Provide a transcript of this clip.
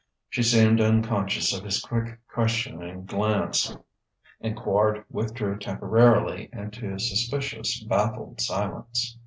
She seemed unconscious of his quick, questioning glance, and Quard withdrew temporarily into suspicious, baffled silence.